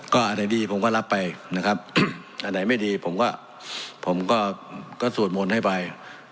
ก็ไหนดีผมก็รับไปอันไหนไม่ดีผมก็สวดโมนให้ไป